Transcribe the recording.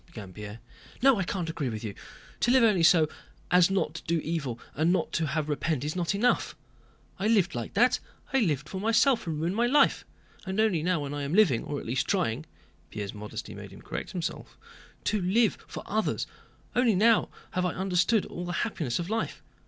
began Pierre. "No, I can't agree with you! To live only so as not to do evil and not to have to repent is not enough. I lived like that, I lived for myself and ruined my life. And only now when I am living, or at least trying" (Pierre's modesty made him correct himself) "to live for others, only now have I understood all the happiness of life.